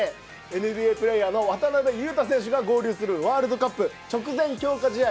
ＮＢＡプレーヤーの渡邊雄太選手が合流するワールドカップ直前強化試合